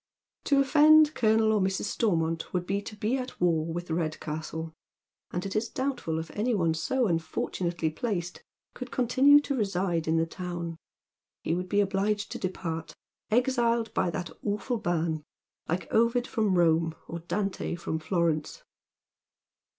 To offend Colonel and Mrs. Stormont would be to be at war with Redcastle ; and it is doubtful if any one so unfortunately placed could continue to reside in the town. He would be obliged to depart, exiled by that awful ban ; like Ovid from Rome, or I)ante from Florence.